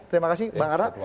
terima kasih bang ara